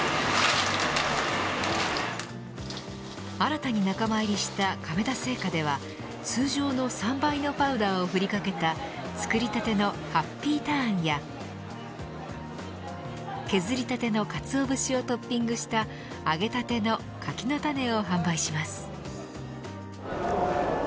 新たに仲間入りした亀田製菓では通常の３倍のパウダーをふりかけた作りたてのハッピーターンや削りたての鰹節をトッピングした揚げたての柿の種を販売します。